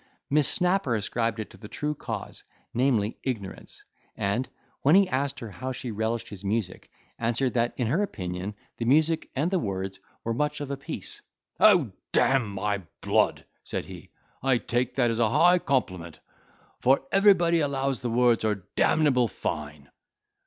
Miss Snapper ascribed it to the true cause, namely ignorance; and, when he asked her how she relished his music, answered that, in her opinion, the music and the words were much of a piece. "Oh, d—n my blood!" said he "I take that as a high compliment; for everybody allows the words are d—able fine."